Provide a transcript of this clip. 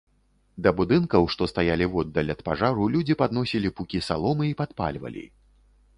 Да будынкаў, што стаялі воддаль ад пажару, людзі падносілі пукі саломы і падпальвалі.